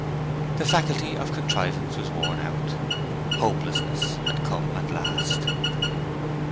The faculty of contrivance was worn out. Hopelessness had come at last.